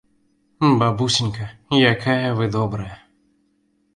Бабусенька, якая вы добрая!